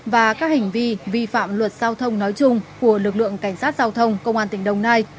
và các hành vi vi phạm luật giao thông nói chung của lực lượng cảnh sát giao thông công an tỉnh đồng nai